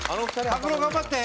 卓郎頑張って！